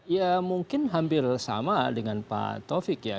ya mungkin hampir sama dengan pak taufik ya